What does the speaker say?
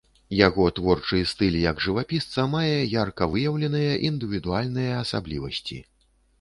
Яго творчы стыль як жывапісца мае ярка выяўленыя індывідуальныя асаблівасці.